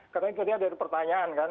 karena itu dia ada pertanyaan kan